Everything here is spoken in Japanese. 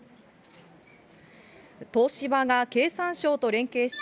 東芝が経産省と連携し、